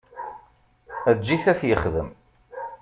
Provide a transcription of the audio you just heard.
Eǧǧ-it ad t-yexdem.